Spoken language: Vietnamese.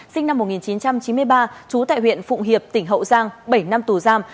sinh năm một nghìn chín trăm chín mươi ba trú tại huyện phụng hiệp tỉnh hậu giang bảy năm tù giam